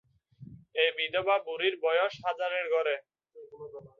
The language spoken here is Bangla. এই বিধবা বুড়ির বয়স হাজারের ঘরে।